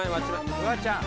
フワちゃん。